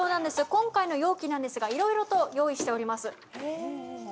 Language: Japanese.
今回の容器なんですがいろいろと用意しておりますへえー